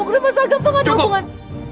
gue sama dia gak ada hubungan